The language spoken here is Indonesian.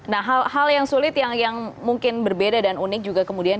nah hal hal yang sulit yang mungkin berbeda dan unik juga kemudian